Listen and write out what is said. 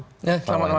ya selamat malam